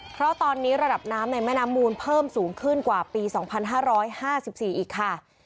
เพราะตอนนี้ระดับน้ำในแม่น้ำมูลเพิ่มสูงขึ้นกว่าปี๒๕๕๔อีกค่ะ